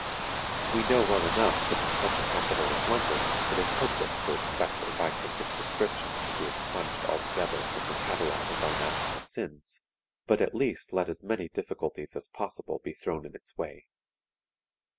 "We know well enough that in such a capital as London it is hopeless to expect that vice of this description can be expunged altogether from the catalogue of our national sins, but at least let as many difficulties as possible be thrown in its way.